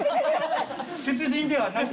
出陣ではなく？